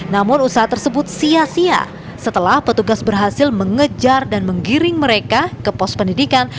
namun usaha tersebut sia sia setelah petugas berhasil mengejar dan menggiring mereka ke pos pendidikan